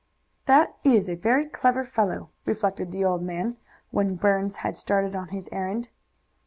"That is a very clever fellow," reflected the old man, when Burns had started on his errand.